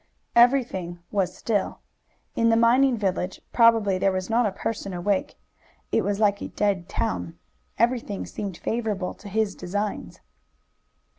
Everything was still. In the mining village probably there was not a person awake. It was like a dead town. Everything seemed favorable to his designs.